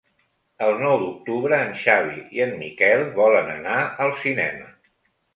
El nou d'octubre en Xavi i en Miquel volen anar al cinema.